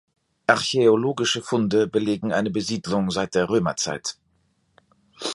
Archäologische Funde belegen eine Besiedlung seit der Römerzeit.